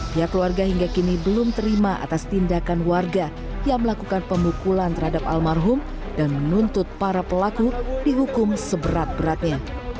pihak keluarga hingga kini belum terima atas tindakan warga yang melakukan pemukulan terhadap almarhum dan menuntut para pelaku dihukum seberat beratnya